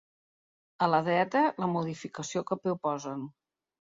A la dreta, la modificació que proposen.